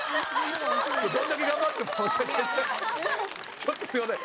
ちょっとすいません。